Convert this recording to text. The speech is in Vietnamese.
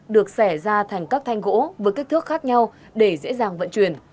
được xẻ ra thành các thanh gỗ với kích thước khác nhau để dễ dàng vận chuyển